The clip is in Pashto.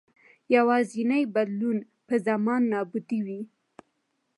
یوازېنی بدلون به زما نابودي وي.